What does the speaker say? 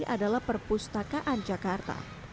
adalah perpustakaan jakarta